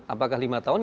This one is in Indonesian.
apakah lima tahun